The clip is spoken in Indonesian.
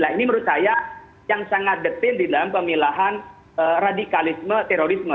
nah ini menurut saya yang sangat detail di dalam pemilahan radikalisme terorisme